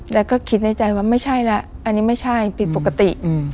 แล้วก็คิดในใจว่าไม่ใช่แล้วอันนี้ไม่ใช่ผิดปกติ